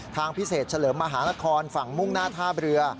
ทางพิเศษเฉลิมมหานครฝั่งมุ่งหน้าท่าเรือ